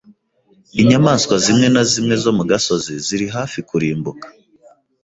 Inyamaswa zimwe na zimwe zo mu gasozi ziri hafi kurimbuka.